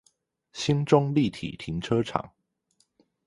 興中立體停車場